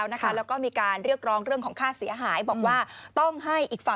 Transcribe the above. นะครับต่อมือซึ่งตรงเนี้ยก็อ่าทางชุด